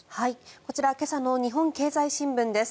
こちら今朝の日本経済新聞です。